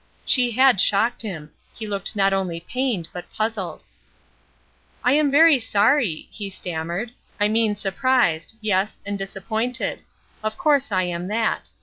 She had shocked him. He looked not only pained but puzzled. "I am very sorry," he stammered. "I mean surprised. Yes, and disappointed. Of course I am that.